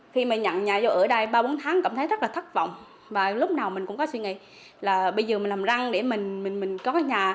khi mà nhận nhà vô ở đây ba bốn tháng cảm thấy rất là thất vọng và lúc nào mình cũng có suy nghĩ là bây giờ mình làm răng để mình có cái nhà